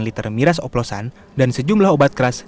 delapan liter miras oplosan dan sejumlah obat kerasnya